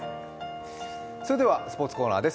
それではスポーツコーナーです。